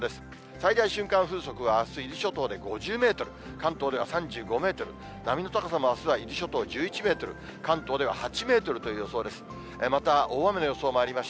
最大瞬間風速はあす、伊豆諸島で５０メートル、関東では３５メートル、波の高さもあすは伊豆諸島１１メートル、関東では８メートルという予想です。